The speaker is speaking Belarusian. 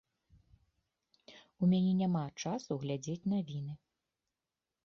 У мяне няма часу глядзець навіны.